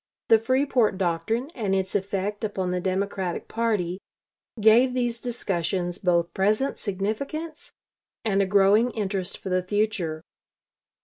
The Freeport doctrine and its effect upon the Democratic party gave these discussions both present significance and a growing interest for the future.